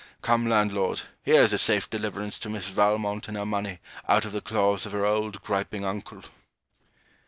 Come, landlord, here's a safe deliverance to Miss Valmont and her money out of the claws of her old griping uncle.'